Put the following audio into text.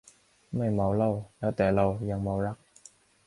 ไม่เมาเหล้า แล้วแต่เรา ยังเมารัก